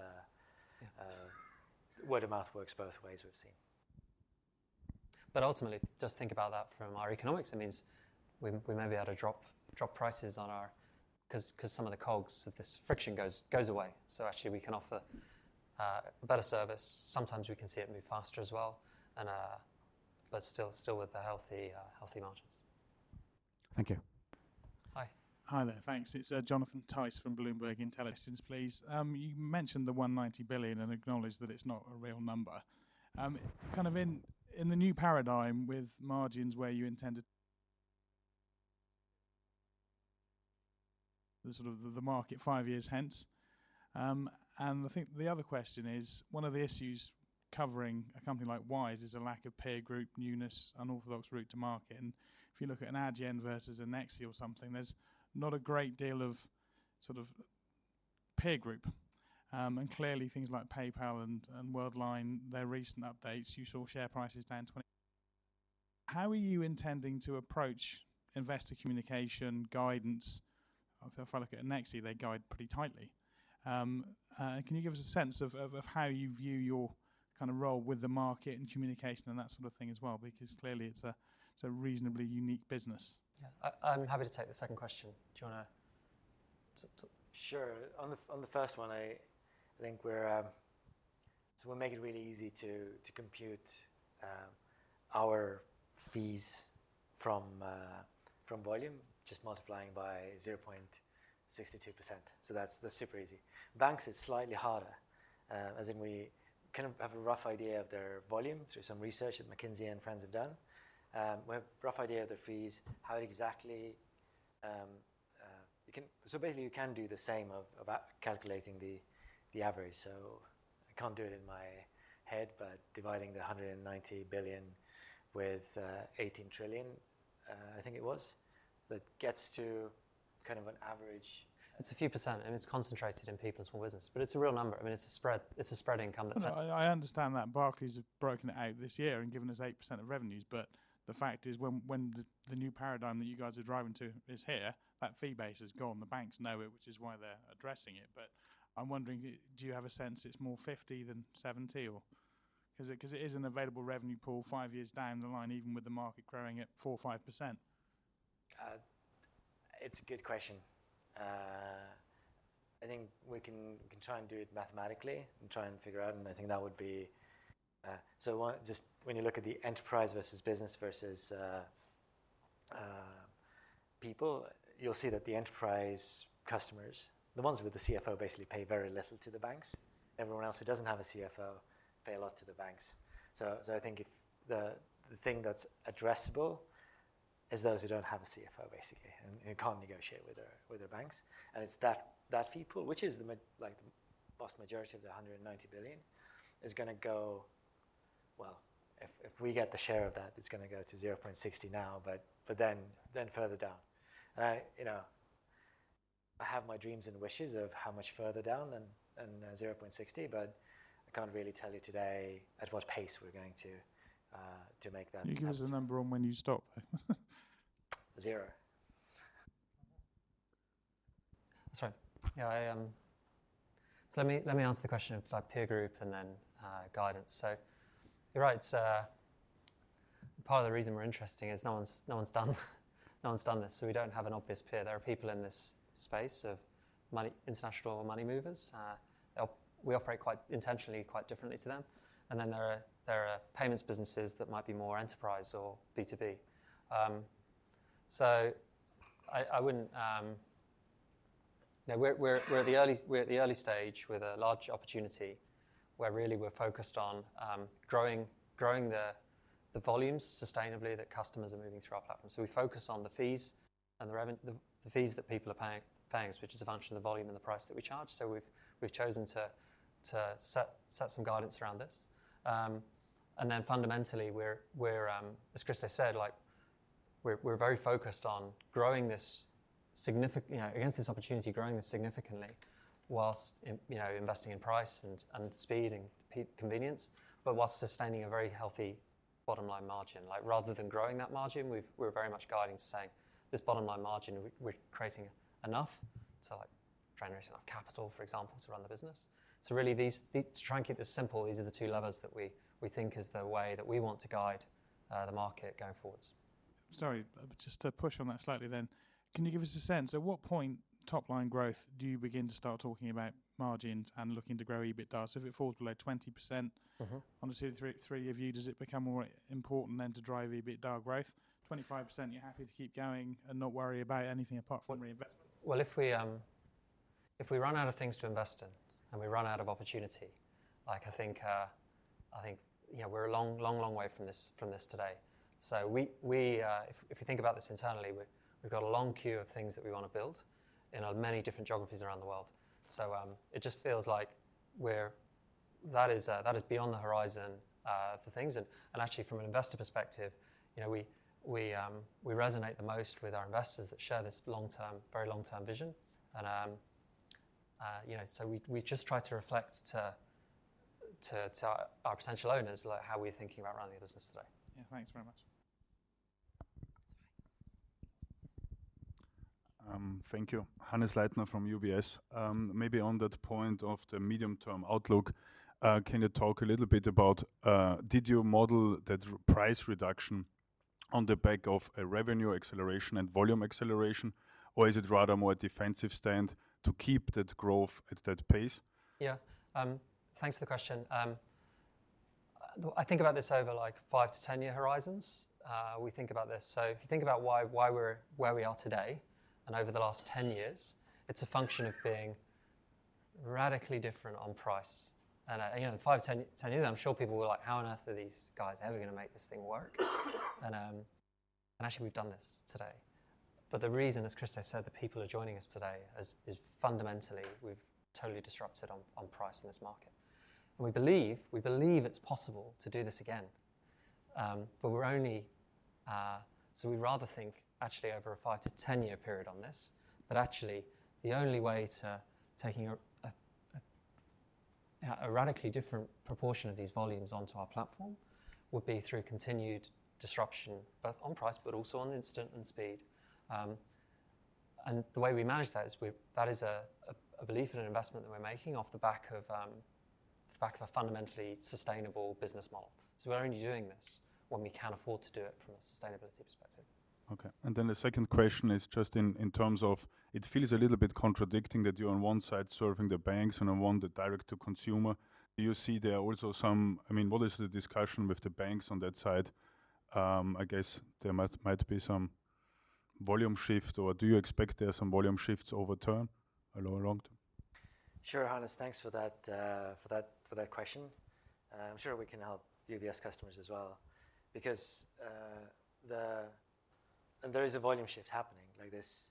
word of mouth works both ways we've seen. Ultimately, just think about that from our economics. It means we may be able to drop prices on our 'cause some of the cogs of this friction goes away. Actually we can offer a better service. Sometimes we can see it move faster as well and but still with the healthy margins. Thank you. Hi. Hi there. Thanks. It's Jonathan Tyce from Bloomberg Intelligence. Please, you mentioned the 190 billion and acknowledged that it's not a real number. Kind of in the new paradigm with margins where you intend to the sort of market five years hence. I think the other question is, one of the issues covering a company like Wise is a lack of peer group newness, unorthodox route to market. If you look at an Adyen versus a Nexi or something, there's not a great deal of sort of peer group. Clearly things like PayPal and Worldline, their recent updates, you saw share prices down 20%. How are you intending to approach investor communication guidance? If I look at Nexi, they guide pretty tightly. Can you give us a sense of how you view your kind of role with the market and communication and that sort of thing as well? Because clearly it's a reasonably unique business. Yeah. I'm happy to take the second question. Do you want to Sure. On the first one, I think we'll make it really easy to compute our fees from volume, just multiplying by 0.62%. That's super easy. Banks, it's slightly harder. As in we kind of have a rough idea of their volume through some research that McKinsey and friends have done. We have a rough idea of the fees, how exactly. Basically you can do the same of calculating the average. I can't do it in my head, but dividing the 190 billion with 18 trillion, I think it was, that gets to kind of an average. It's a few%, and it's concentrated in people's small business, but it's a real number. I mean, it's a spread, it's a spreading income that's. No, I understand that. Barclays have broken it out this year and given us 8% of revenues. The fact is, when the new paradigm that you guys are driving to is here, that fee base is gone. The banks know it, which is why they're addressing it. I'm wondering, do you have a sense it's more 50 than 70? 'Cause it is an available revenue pool five years down the line, even with the market growing at 4%-5%. It's a good question. I think we can try and do it mathematically and figure out, and I think that would be. One, just when you look at the enterprise versus business versus people, you'll see that the enterprise customers, the ones with the CFO, basically pay very little to the banks. Everyone else who doesn't have a CFO pay a lot to the banks. I think if the thing that's addressable is those who don't have a CFO basically and can't negotiate with their banks, and it's that fee pool, which is like the vast majority of the 190 billion, is gonna go. Well, if we get the share of that, it's going to go to 0.60% now, but then further down. I, you know, I have my dreams and wishes of how much further down than 0.60%, but I can't really tell you today at what pace we're going to make that happen. Can you give us a number on when you stop then? Zero. Sorry. Let me answer the question about peer group and then guidance. You're right. Part of the reason we're interesting is no one's done this, so we don't have an obvious peer. There are people in this space of international money movers. We operate quite intentionally, quite differently to them. There are payments businesses that might be more enterprise or B2B. I wouldn't, you know, we're at the early stage with a large opportunity, where really we're focused on growing the volumes sustainably that customers are moving through our platform. We focus on the fees that people are paying banks, which is a function of the volume and the price that we charge. We've chosen to set some guidance around this. Fundamentally we're very focused, as Kristo said, like we're very focused on growing this significantly, you know, against this opportunity, whilst investing in price and speed and convenience. Whilst sustaining a very healthy bottom line margin, like rather than growing that margin, we're very much guiding to saying this bottom line margin, we're creating enough to like try and raise enough capital, for example, to run the business. Really these, the... To try and keep this simple, these are the two levers that we think is the way that we want to guide the market going forwards. Sorry. Just to push on that slightly then, can you give us a sense, at what point top line growth do you begin to start talking about margins and looking to grow EBITDA? If it falls below 20%- Mm-hmm On a two- to three-year view, does it become more important than to drive EBITDA growth? 25%, you're happy to keep going and not worry about anything apart from reinvestment. Well if we run out of things to invest in and we run out of opportunity, like I think, you know, we're a long way from this today. If you think about this internally, we've got a long queue of things that we wanna build in many different geographies around the world. It just feels like that is beyond the horizon for things. Actually from an investor perspective, you know, we resonate the most with our investors that share this long-term, very long-term vision. You know, we just try to reflect to our potential owners like how we're thinking about running the business today. Yeah. Thanks very much. Sorry. Thank you. Hannes Leitner from UBS. Maybe on that point of the medium-term outlook, can you talk a little bit about did you model that price reduction on the back of a revenue acceleration and volume acceleration, or is it rather more a defensive stand to keep that growth at that pace? Yeah. Thanks for the question. I think about this over like five- to 10-year horizons, we think about this. If you think about why we're where we are today and over the last 10 years, it's a function of being radically different on price. You know, five, 10 years, I'm sure people were like, "How on earth are these guys ever going to make this thing work?" Actually we've done this today. The reason, as Kristo said, that people are joining us today is fundamentally we've totally disrupted on price in this market. We believe it's possible to do this again. We're only. We'd rather think actually over a five- to 10-year period on this. Actually, the only way to take a radically different proportion of these volumes onto our platform would be through continued disruption, both on price but also on instant and speed. The way we manage that is a belief and an investment that we're making off the back of a fundamentally sustainable business model. We're only doing this when we can afford to do it from a sustainability perspective. Okay. The second question is just in terms of it feels a little bit contradicting that you're on one side serving the banks and on the other the direct to consumer. Do you see there are also some, I mean, what is the discussion with the banks on that side? I guess there might be some volume shift, or do you expect there are some volume shifts over term or long term? Sure, Hannes. Thanks for that question. I'm sure we can help UBS customers as well because there is a volume shift happening. Like this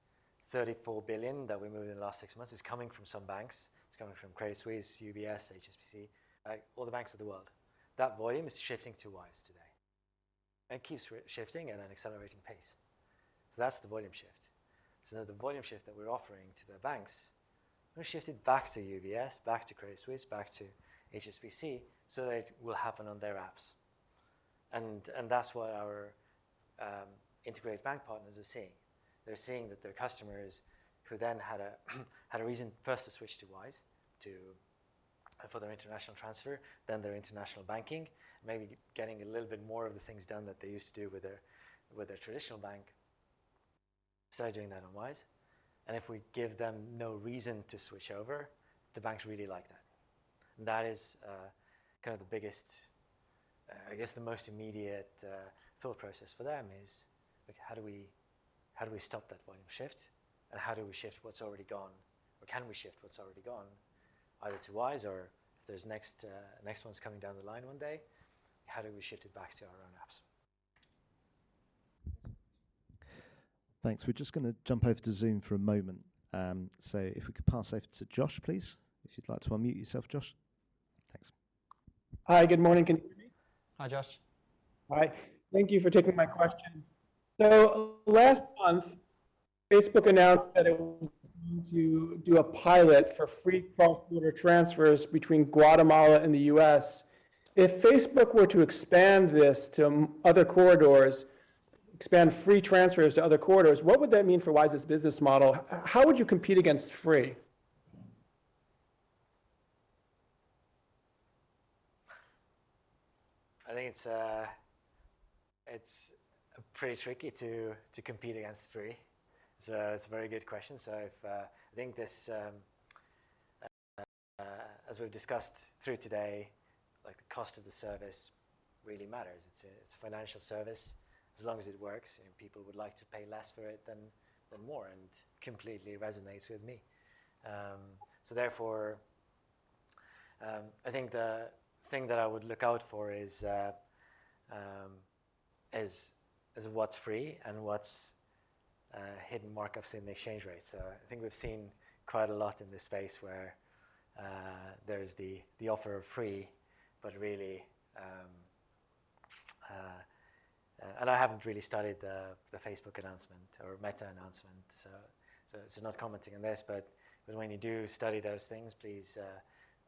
34 billion that we moved in the last six months is coming from some banks. It's coming from Credit Suisse, UBS, HSBC, like all the banks of the world. That volume is shifting to Wise today and keeps re-shifting at an accelerating pace. That's the volume shift. Now the volume shift that we're offering to the banks, we shift it back to UBS, back to Credit Suisse, back to HSBC, so that it will happen on their apps. That's what our integrated bank partners are seeing. They're seeing that their customers who then had a reason first to switch to Wise for their international transfer, then their international banking, maybe getting a little bit more of the things done that they used to do with their traditional bank started doing that on Wise. If we give them no reason to switch over, the banks really like that. That is kind of the biggest, I guess the most immediate thought process for them is, like, how do we stop that volume shift and how do we shift what's already gone. Or can we shift what's already gone either to Wise or if there's next ones coming down the line one day, how do we shift it back to our own apps? Thanks. We're just going to jump over to Zoom for a moment. If we could pass over to Josh, please. If you'd like to unmute yourself, Josh. Thanks. Hi. Good morning. Can you hear me? Hi, Josh. Hi. Thank you for taking my question. Last month, Facebook announced that it was going to do a pilot for free cross-border transfers between Guatemala and the U.S. If Facebook were to expand this to other corridors, expand free transfers to other corridors, what would that mean for Wise's business model? How would you compete against free? I think it's pretty tricky to compete against free. It's a very good question. If I think this, as we've discussed through today, like the cost of the service really matters. It's a financial service. As long as it works and people would like to pay less for it than more and completely resonates with me. I think the thing that I would look out for is what's free and what's hidden markups in the exchange rate. I think we've seen quite a lot in this space where there's the offer of free, but really. I haven't really studied the Facebook announcement or Meta announcement, not commenting on this. when you do study those things, please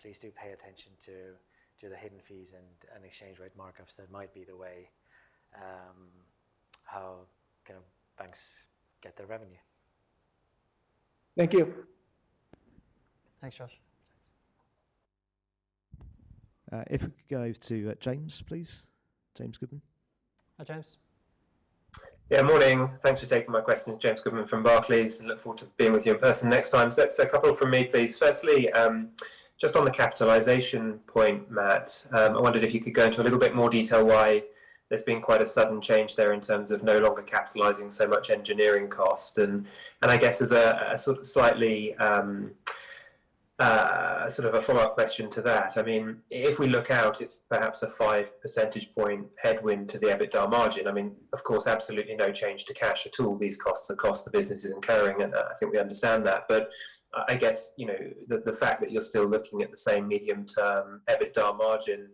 do pay attention to the hidden fees and exchange rate markups. That might be the way how kind of banks get their revenue. Thank you. Thanks, Josh. Thanks. If we could go to James, please. James Goodman. Hi, James. Morning. Thanks for taking my question. It's James Goodman from Barclays. I look forward to being with you in person next time. A couple from me, please. Firstly, just on the capitalization point, Matt, I wondered if you could go into a little bit more detail why there's been quite a sudden change there in terms of no longer capitalizing so much engineering cost. I guess as a sort of slightly sort of a follow-up question to that, I mean, if we look out, it's perhaps a five percentage point headwind to the EBITDA margin. I mean, of course, absolutely no change to cash at all. These costs are costs the business is incurring, and I think we understand that. I guess, you know, the fact that you're still looking at the same medium-term EBITDA margin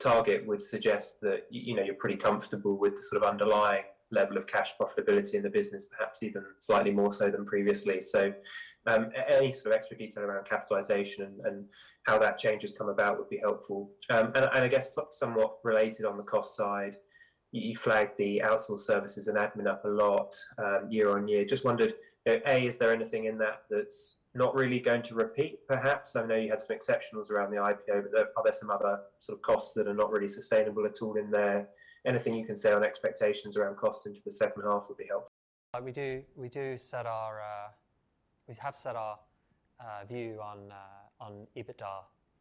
target would suggest that, you know, you're pretty comfortable with the sort of underlying level of cash profitability in the business, perhaps even slightly more so than previously. So, any sort of extra detail around capitalization and how that change has come about would be helpful. And I guess somewhat related on the cost side, you flagged the outsourced services and admin up a lot year on year. Just wondered, you know, A, is there anything in that that's not really going to repeat perhaps? I know you had some exceptionals around the IPO, but are there some other sort of costs that are not really sustainable at all in there? Anything you can say on expectations around costs into the second half would be helpful. We do set our We have set our view on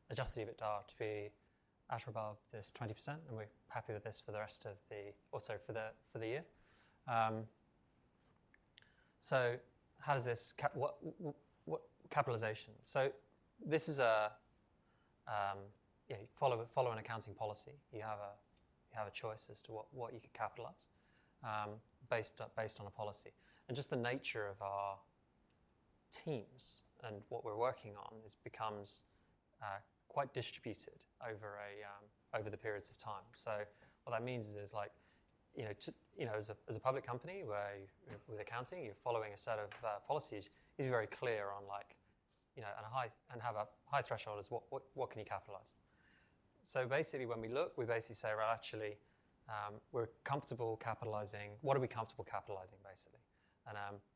adjusted EBITDA to be at or above 20%, and we're happy with this for the rest of the year. So what capitalization? This is, you know, you follow an accounting policy. You have a choice as to what you could capitalize, based on a policy. Just the nature of our teams and what we're working on has become quite distributed over the periods of time. What that means is, like, you know, as a public company where with accounting, you're following a set of policies, it's very clear on, like, you know, and have a high threshold for what can you capitalize. Basically when we look, we basically say, "Well, actually, we're comfortable capitalizing. What are we comfortable capitalizing, basically?"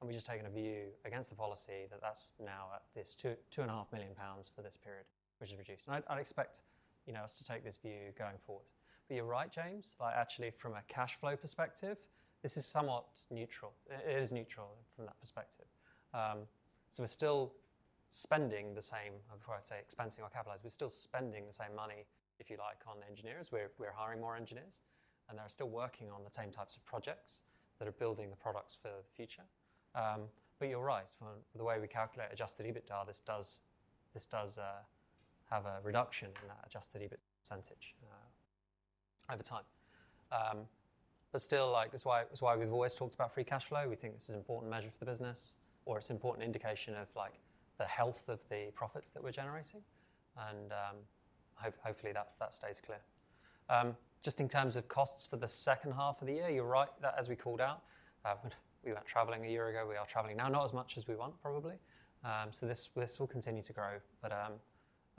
We've just taken a view against the policy that that's now at this 2.5 million pounds for this period, which is reduced. I'd expect, you know, us to take this view going forward. You're right, James. Like, actually from a cash flow perspective, this is somewhat neutral. It is neutral from that perspective. We're still spending the same, before I say expensing or capitalized, we're still spending the same money, if you like, on engineers. We're hiring more engineers, and they're still working on the same types of projects that are building the products for the future. You're right. From the way we calculate Adjusted EBITDA, this does have a reduction in that adjusted EBIT percentage over time. Still, like, it's why we've always talked about free cash flow. We think this is an important measure for the business or it's an important indication of like the health of the profits that we're generating and hopefully that stays clear. Just in terms of costs for the second half of the year, you're right. That, as we called out, we weren't traveling a year ago, we are traveling now. Not as much as we want, probably. This will continue to grow.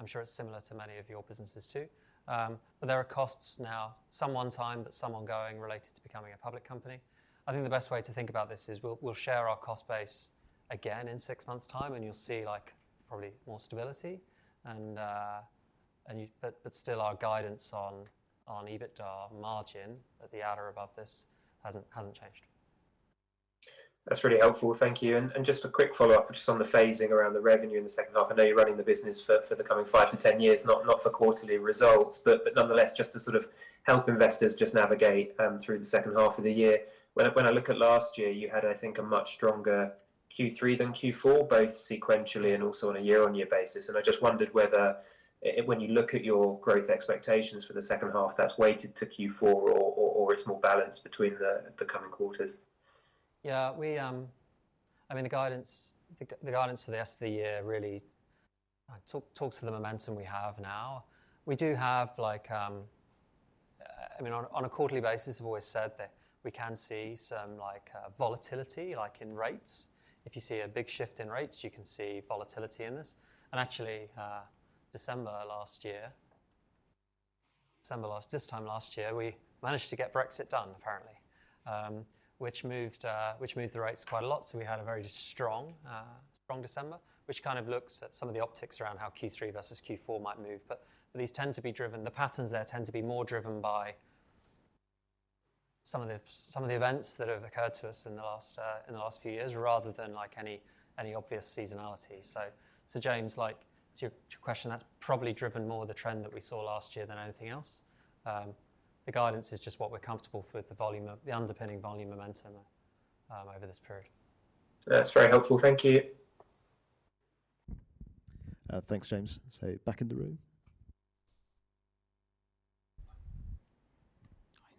I'm sure it's similar to many of your businesses too. There are costs now, some one-time, but some ongoing related to becoming a public company. I think the best way to think about this is we'll share our cost base again in six months' time, and you'll see, like, probably more stability. Still, our guidance on EBITDA margin at the outer above this hasn't changed. That's really helpful. Thank you. Just a quick follow-up just on the phasing around the revenue in the second half. I know you're running the business for the coming 5 to 10 years, not for quarterly results. Nonetheless, just to sort of help investors just navigate through the second half of the year. When I look at last year, you had, I think, a much stronger Q3 than Q4, both sequentially and also on a year-on-year basis. I just wondered whether when you look at your growth expectations for the second half that's weighted to Q4 or it's more balanced between the coming quarters. Yeah. We, I mean, the guidance for the rest of the year really talks to the momentum we have now. We do have like, I mean, on a quarterly basis, we've always said that we can see some like, volatility, like in rates. If you see a big shift in rates, you can see volatility in this. Actually, December last year, this time last year, we managed to get Brexit done apparently, which moved the rates quite a lot. We had a very strong December, which kind of looks at some of the optics around how Q3 versus Q4 might move. These tend to be driven. The patterns there tend to be more driven by some of the events that have occurred to us in the last few years rather than like any obvious seasonality. James, like, to your question, that's probably driven more the trend that we saw last year than anything else. The guidance is just what we're comfortable with the volume of the underpinning volume momentum over this period. That's very helpful. Thank you. Thanks, James. Back in the room.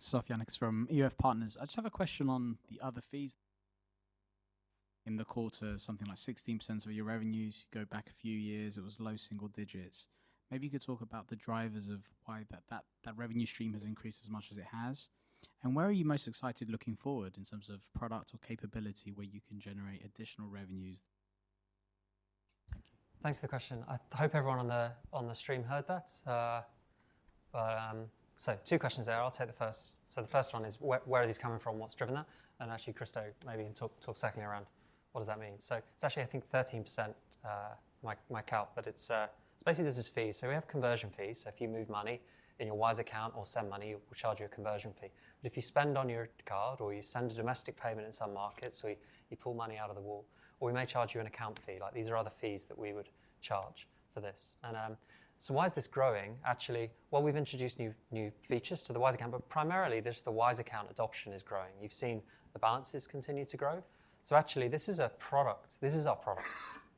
Hi. Sofiane Aouane from Egerton Capital. I just have a question on the other fees in the quarter, something like 16% of your revenues. You go back a few years, it was low single digits. Maybe you could talk about the drivers of why that revenue stream has increased as much as it has. Where are you most excited looking forward in terms of product or capability where you can generate additional revenues? Thank you. Thanks for the question. I hope everyone on the stream heard that. Two questions there. I'll take the first. The first one is where are these coming from? What's driven that? Actually, Kristo maybe can talk secondly around what does that mean. It's actually, I think, 13%, my count, but it's basically this is fees. We have conversion fees. If you move money in your Wise account or send money, we'll charge you a conversion fee. If you spend on your card or you send a domestic payment in some markets, you pull money out of the wall or we may charge you an account fee. Like, these are other fees that we would charge for this. Why is this growing? Actually, well, we've introduced new features to the Wise account, but primarily there's the Wise account adoption is growing. You've seen the balances continue to grow. Actually, this is a product. This is our product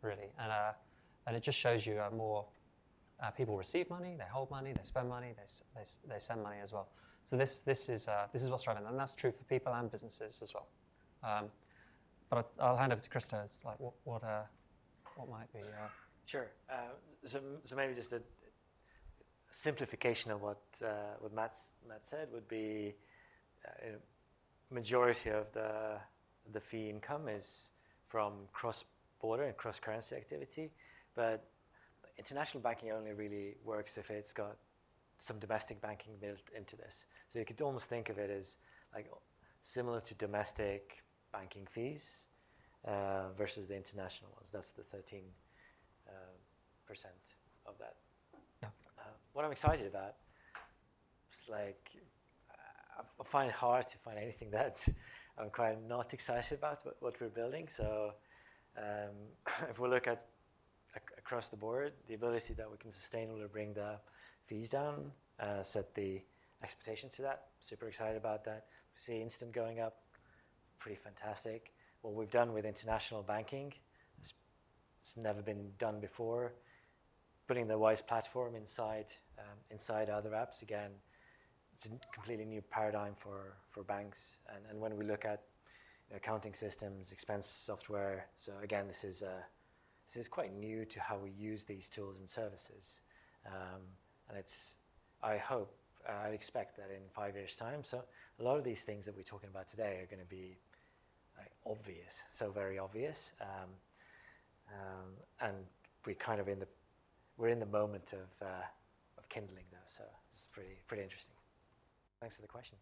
really, and it just shows you a more... People receive money, they hold money, they spend money, they send money as well. This is what's driving. That's true for people and businesses as well. I'll hand over to Kristo. It's like, what might be Sure. Maybe just a simplification of what Matt said would be majority of the fee income is from cross-border and cross-currency activity. International banking only really works if it's got some domestic banking built into this. You could almost think of it as like similar to domestic banking fees versus the international ones. That's the 13% of that. Yeah. What I'm excited about It's like, I find it hard to find anything that I'm kind of not excited about what we're building. If we look across the board, the ability that we can sustainably bring the fees down, set the expectation to that, super excited about that. We see Instant going up, pretty fantastic. What we've done with international banking, it's never been done before. Putting the Wise Platform inside other apps, again, it's a completely new paradigm for banks. And when we look at accounting systems, expense software, again, this is quite new to how we use these tools and services. I hope, I expect that in five-ish time, a lot of these things that we're talking about today are gonna be, like, obvious, so very obvious. We're kind of in the moment of kindling though, so it's pretty interesting. Thanks for the question.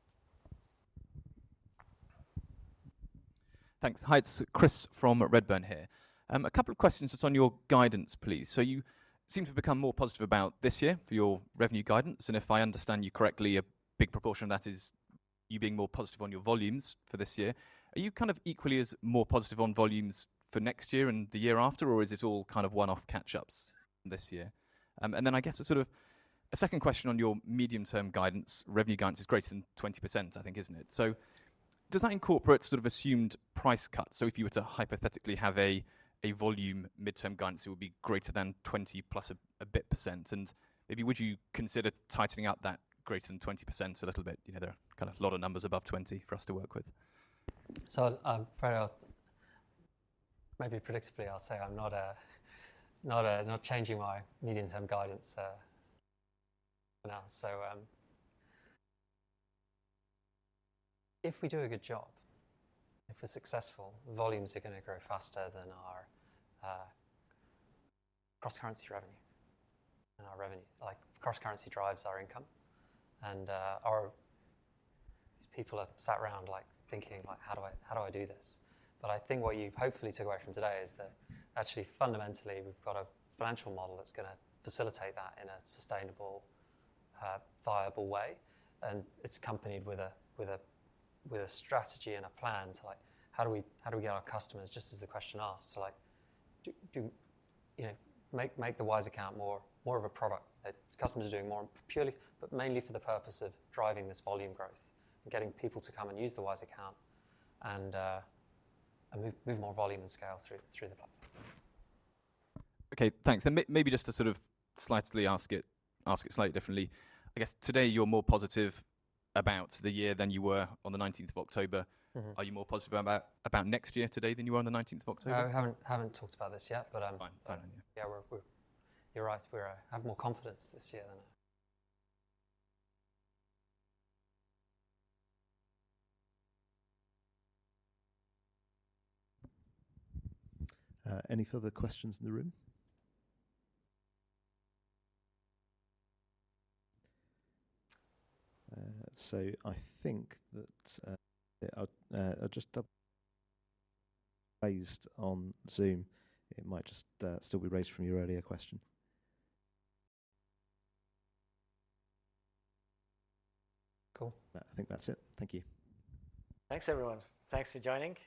Thanks. Hi, it's Chris from Redburn here. A couple of questions just on your guidance, please. You seem to have become more positive about this year for your revenue guidance, and if I understand you correctly, a big proportion of that is you being more positive on your volumes for this year. Are you kind of equally as more positive on volumes for next year and the year after, or is it all kind of one-off catch-ups this year? Then I guess a sort of a second question on your medium-term guidance. Revenue guidance is greater than 20%, I think, isn't it? Does that incorporate sort of assumed price cuts? If you were to hypothetically have a medium-term volume guidance, it would be greater than 20% plus a bit%. Maybe would you consider tightening up that greater than 20% a little bit? You know, there are kind of a lot of numbers above 20 for us to work with. Probably I'll say I'm not changing my medium-term guidance now. If we do a good job, if we're successful, volumes are going to grow faster than our cross-currency revenue and our revenue. Like, cross-currency drives our income and our, these people have sat around, like, thinking about how do I do this? I think what you've hopefully took away from today is that actually, fundamentally, we've got a financial model that's going to facilitate that in a sustainable viable way. It's accompanied with a strategy and a plan to, like, how do we get our customers, just as the question asks, to like do, you know, make the Wise account more of a product that customers are doing more purely but mainly for the purpose of driving this volume growth and getting people to come and use the Wise account and move more volume and scale through the platform. Okay, thanks. Maybe just to sort of slightly ask it slightly differently. I guess today you're more positive about the year than you were on the nineteenth of October. Mm-hmm. Are you more positive about next year today than you were on the nineteenth of October? No, we haven't talked about this yet, but. Fine. Fair then, yeah. You're right, we have more confidence this year than- Any further questions in the room? Raised on Zoom. It might just still be raised from your earlier question. Cool. I think that's it. Thank you. Thanks, everyone. Thanks for joining.